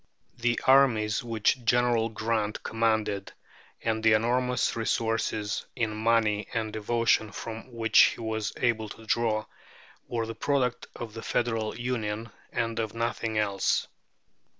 The armies which General Grant commanded, and the enormous resources in money and devotion from which he was able to draw, were the product of the Federal Union and of nothing else.